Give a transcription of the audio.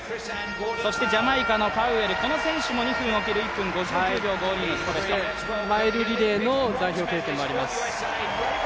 そしてジャマイカのパウエルこの２分を切る１分５９秒０２、マイルリレーの代表経験もあります。